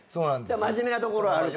真面目なところあるから。